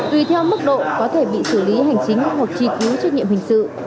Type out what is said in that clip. tùy theo mức độ có thể bị xử lý hành chính hoặc truy cứu trách nhiệm hình sự